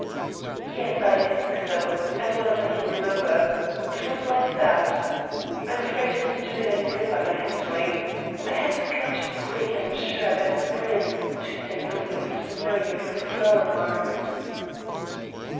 "Yes, I think so. As well as I can remember, it was like that. I'm afraid I didn't do it any good by my handling. I had to clutch it quick and I'm sure I bent the brim, to say nothing of smearing it with flour marks."